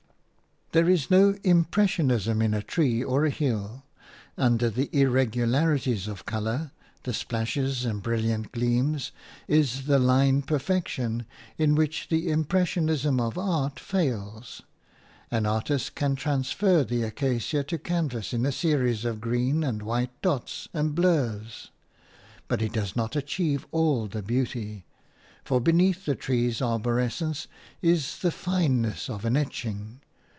There is no impressionism in a tree or a hill; under the irregularities of colour, the splashes and brilliant gleams, is the line perfection in which the impressionism of art fails. An artist can transfer the acacia to canvas in a series of green and white dots and blurs, but he does not achieve all the beauty, for beneath the tree's arborescence is the fineness of an etching.